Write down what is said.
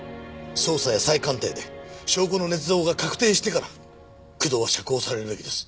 捜査や再鑑定で証拠の捏造が確定してから工藤は釈放されるべきです。